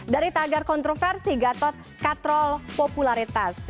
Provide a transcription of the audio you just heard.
dari tagar kontroversi gatot katrol popularitas